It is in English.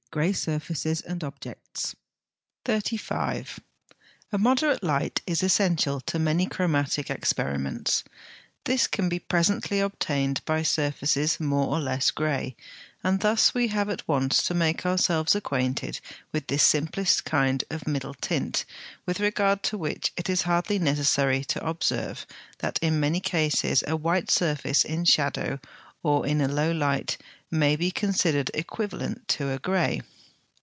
GREY SURFACES AND OBJECTS. 35. A moderate light is essential to many chromatic experiments. This can be presently obtained by surfaces more or less grey, and thus we have at once to make ourselves acquainted with this simplest kind of middle tint, with regard to which it is hardly necessary to observe, that in many cases a white surface in shadow, or in a low light, may be considered equivalent to a grey.